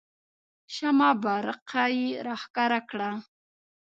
شمه بارقه یې راښکاره کړه.